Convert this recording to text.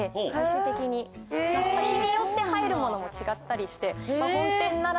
日によって入るものも違ったりして。